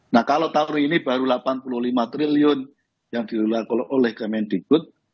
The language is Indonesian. nah kalau tahun ini baru rp delapan puluh lima triliun yang dielola oleh km mendikbud